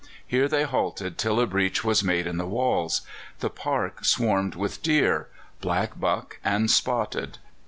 Here they halted till a breach was made in the walls. The park swarmed with deer black buck and spotted.